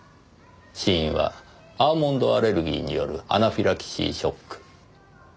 死因はアーモンドアレルギーによるアナフィラキシーショック。